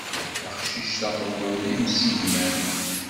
Taqcict-a tuḍen imsigman.